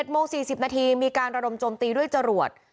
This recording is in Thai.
โมง๔๐นาทีมีการระดมโจมตีด้วยจรวด